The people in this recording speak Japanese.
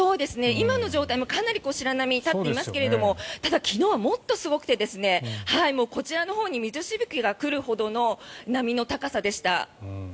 今の状態もかなり白波が立っていますがただ昨日はもっとすごくてこちらのほうに水しぶきが来るほどの波の高さでした。